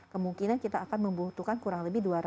kemungkinan kita akan membutuhkan kurang lebih